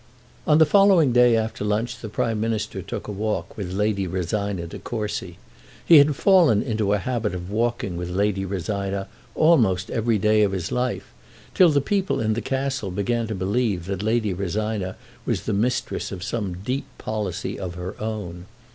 On the following day after lunch the Prime Minister took a walk with Lady Rosina De Courcy. He had fallen into a habit of walking with Lady Rosina almost every day of his life, till the people in the Castle began to believe that Lady Rosina was the mistress of some deep policy of her own.